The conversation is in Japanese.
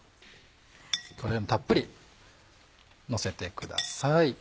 このようにたっぷりのせてください。